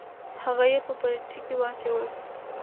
هغه یې په بالټي کې واچوله.